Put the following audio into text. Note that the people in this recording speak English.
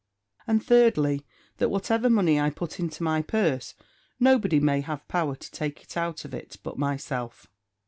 "And, thirdly that whatever money I put into my purse, nobody may have power to take it out of it but myself!"